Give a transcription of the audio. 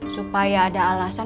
supaya ada alasan